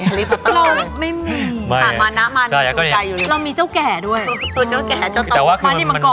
เอาต่อมาน๊ะอยู่ใจอยู่เนี่ย